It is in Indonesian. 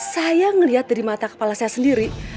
saya melihat dari mata kepala saya sendiri